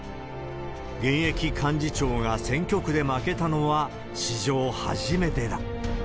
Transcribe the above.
現役幹事長が選挙区で負けたのは史上初めてだ。